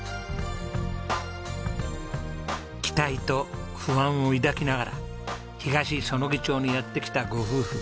期待と不安を抱きながら東彼杵町にやって来たご夫婦。